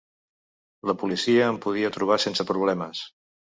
La policia em podia trobar sense problemes.